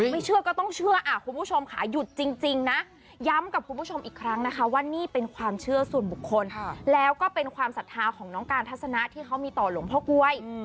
ไม่เชื่อก็ต้องเชื่อคุณผู้ชมค่ะหยุดจริงนะย้ำกับคุณผู้ชมอีกครั้งนะคะว่านี่เป็นความเชื่อส่วนบุคคลแล้วก็เป็นความศรัทธาของน้องการทัศนะที่เขามีต่อหลวงพ่อกล้วย